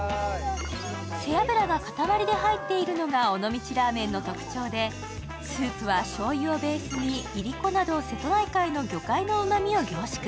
背脂が塊で入っているのが尾道ラーメンの特徴でスープは、しょうゆをベースにいりこなど瀬戸内海の魚介のうまみを凝縮。